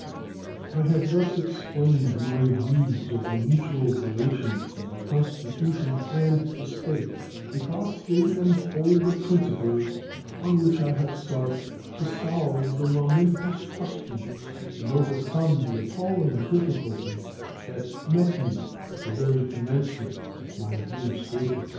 I have thus explained my views of the mutual relations of the Constitution and the States, because they unfold the principles on which I have sought to solve the momentous questions and overcome the appalling difficulties that met me at the very commencement of my Administration.